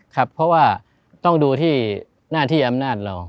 ครับเพราะว่าต้องดูที่หน้าที่อำนาจเรา